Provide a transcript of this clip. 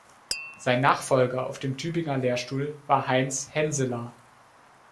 Sein Nachfolger auf dem Tübinger Lehrstuhl war Heinz Henseler.